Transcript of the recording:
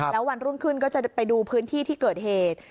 แล้ววันรุ่งขึ้นก็จะไปดูพื้นที่ที่เกิดเหตุ